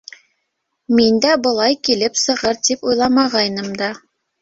Мин дә былай килеп сығыр тип уйламағайным да...